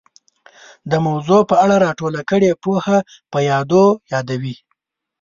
د موضوع په اړه را ټوله کړې پوهه په یادو یادوي